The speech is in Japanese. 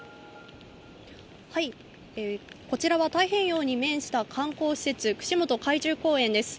こちらは太平洋に面した観光施設、串本海中公園です。